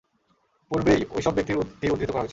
পূর্বেই ঐসব ব্যক্তির উক্তি উদ্ধৃত করা হয়েছে।